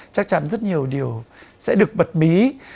chắc chắn rất nhiều điều sẽ được bật bí